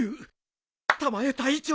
たまえ隊長